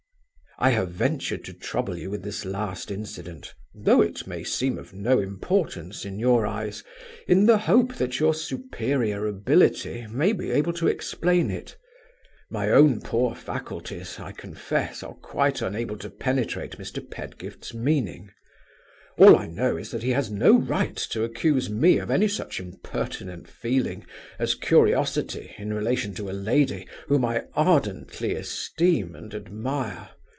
"I have ventured to trouble you with this last incident, though it may seem of no importance in your eyes, in the hope that your superior ability may be able to explain it. My own poor faculties, I confess, are quite unable to penetrate Mr. Pedgift's meaning. All I know is that he has no right to accuse me of any such impertinent feeling as curiosity in relation to a lady whom I ardently esteem and admire.